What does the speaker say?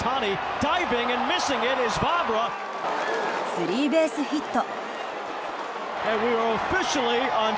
スリーベースヒット。